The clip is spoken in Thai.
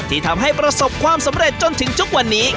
ที่ทำให้ประสบความสำเร็จจนถึงทุกวันนี้